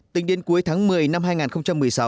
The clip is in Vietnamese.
tính đến cuối tháng một mươi năm hai nghìn một mươi sáu